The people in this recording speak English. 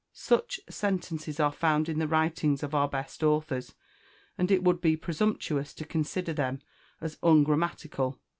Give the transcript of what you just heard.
Such sentences are found in the writings of our best authors, and it would be presumptuous to consider them as ungrammatical.